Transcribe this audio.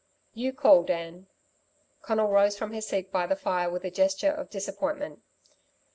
"You call, Dan!" Conal rose from his seat by the fire with a gesture of disappointment.